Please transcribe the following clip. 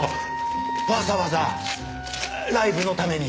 わざわざライブのために？